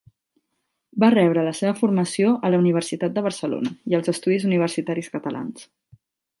Va rebre la seva formació a la Universitat de Barcelona i als Estudis Universitaris Catalans.